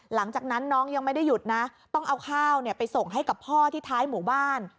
หลังจากนั้นน้องยังไม่ได้หยุดนะต้องเอาข้าวไปส่งให้กับพ่อที่ท้ายหมู่บ้าน